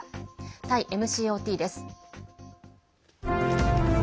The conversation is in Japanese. タイＭＣＯＴです。